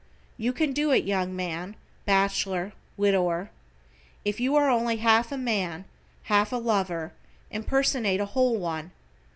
You can do it, young man, bachelor, widower. If you are only half a man, half a lover, impersonate a whole one.